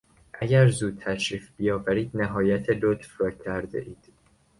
اگر زود تشریف بیاورید نهایت لطف را کردهاید.